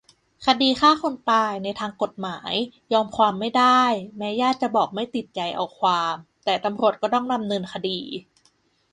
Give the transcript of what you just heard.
คดีฆ่าคนตาย ในทางกฎหมาย "ยอมความไม่ได้" แม้ญาติจะบอกไม่ติดใจเอาความ แต่ตำรวจก็ต้องดำเนินคดี